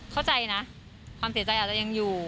เข้าใจนะความเสียใจอาจจะยังอยู่